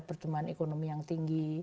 pertumbuhan ekonomi yang tinggi